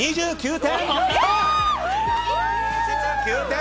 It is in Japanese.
２９点！